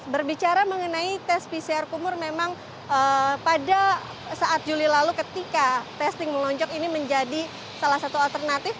berbicara mengenai tes pcr kumur memang pada saat juli lalu ketika testing melonjak ini menjadi salah satu alternatif